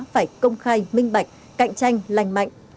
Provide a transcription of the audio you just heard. phải công khai minh bạch cạnh tranh lành mạnh